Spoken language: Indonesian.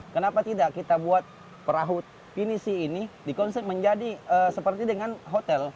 kenapa tidak kita buat perahu pinisi ini dikonsep menjadi seperti dengan hotel